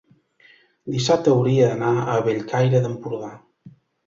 dissabte hauria d'anar a Bellcaire d'Empordà.